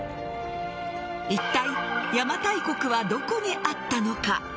いったい邪馬台国はどこにあったのか。